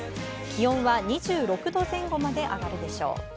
気温は２６度前後まで上がるでしょう。